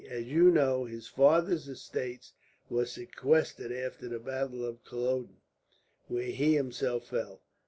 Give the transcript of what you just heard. As you know, his father's estates were sequestrated after the battle of Culloden, where he himself fell.